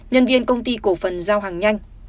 nhân viên công ty cổ phần giao hàng nhanh